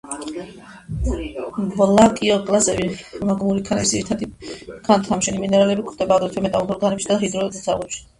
პლაგიოკლაზები მაგმური ქანების ძირითადი ქანთმაშენი მინერალები, გვხვდება აგრეთვე მეტამორფულ ქანებში და ჰიდროთერმულ ძარღვებში.